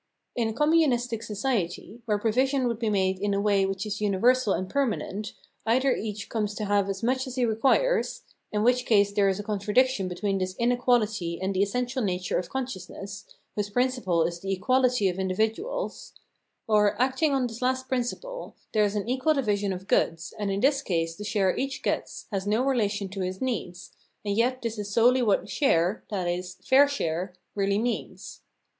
In a communistic society, where provision would be made in a way which is universal and permanent, either each comes to have as much as he requires — in which case there is a contradiction between this inequality Reason as Testing Laws 421 and the essential nature of consciousness, whose prin ciple is the equality of individuals — or, acting on this last principle, there is an equal division of goods, and in this case the share each gets has no relation to his needs, and yet this is solely what "share," i.e. fair share, really means.